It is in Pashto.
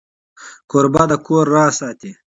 کوربه د کور راز ساتي.